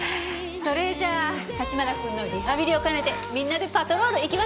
それじゃ立花君のリハビリを兼ねてみんなでパトロール行きましょうか。